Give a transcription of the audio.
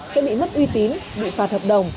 sẽ bị mất uy tín bị phạt hợp đồng